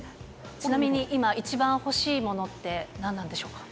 ちなみに今、一番欲しいものって何なんでしょうか。